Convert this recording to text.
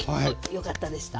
よかったでした。